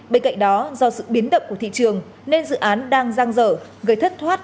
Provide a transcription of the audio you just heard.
bên cạnh đó do sự biến động của thị trường nên dự án đang giang dở gây thất thoát